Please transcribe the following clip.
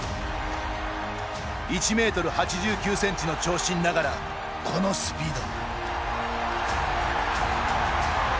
１ｍ８９ｃｍの長身ながらこのスピード。